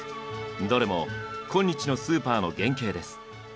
どれも今日のスーパーの原型です。